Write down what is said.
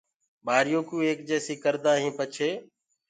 ٻآريو ڪو ايڪ جيسي ڪردآ هين پڇي